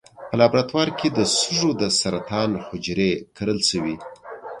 په لابراتوار کې د سږو د سرطان حجرې کرل شوي.